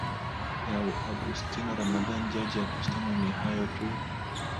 ya agustino ramadhan jaji agustino ni hayo tu